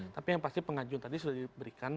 tapi yang pasti pengajuan tadi sudah diberikan